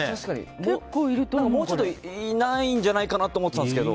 もうちょっといないんじゃないかなと思ってたんですけど。